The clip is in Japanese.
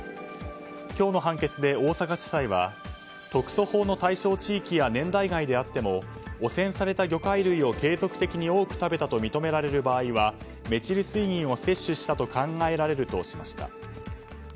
今日の判決で大阪地裁は特措法の対象地域や年代外であっても汚染された魚介類を継続的に多く食べたと認められる場合はメチル水銀を摂取したと考えられるとしました。